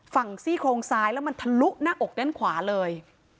ซี่โครงซ้ายแล้วมันทะลุหน้าอกด้านขวาเลย